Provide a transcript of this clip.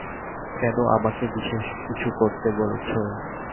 কেন, আমাকে বিশেষ কিছু করতে বলছো?